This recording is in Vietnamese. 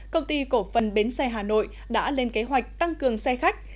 công ty cổ phần bến xe hà nội đã lên kế hoạch tăng cường xe khách